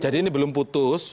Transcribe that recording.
jadi ini belum putus